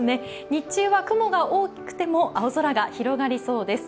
日中は雲が多くても青空が広がりそうです。